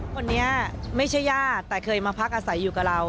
คนนี้ไม่ใช่ญาติแต่เคยมาพักอาศัยอยู่กับเรา